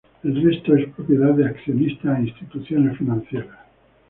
El resto es propiedad de accionistas e instituciones financieras.